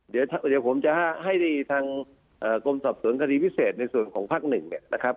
เดี๋ยวผมจะให้ทางกรมสอบสวนคดีพิเศษในส่วนของภาคหนึ่งเนี่ยนะครับ